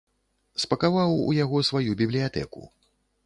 Спакаваў у яго сваю бібліятэку.